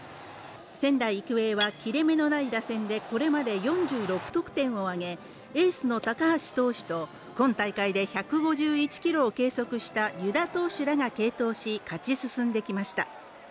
仙台育英は切れ目のない打線でこれまで４６得点を挙げエースの高橋投手と今大会で１５１キロを計測した湯田投手が継投し勝ち進んできました